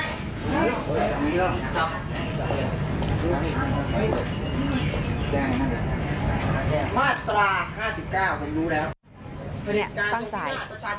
ผลิตการจงพินาธประชาธิปัจจัยจงเจริญ